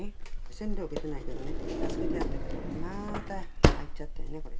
洗礼は受けてないけどね助けてやったけどまた入っちゃったんやねこれ。